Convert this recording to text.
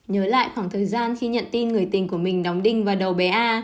nhớ lại khoảng thời gian khi nhận tin người tình của mình đóng đinh và đầu bé a